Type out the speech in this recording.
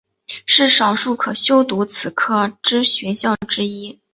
是少数可修读此科之学校之一。